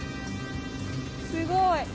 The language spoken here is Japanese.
すごい！